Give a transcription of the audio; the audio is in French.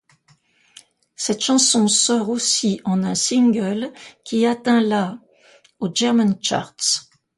Cette chanson sort aussi en un single qui atteint la aux German charts.